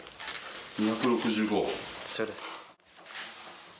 ２６５。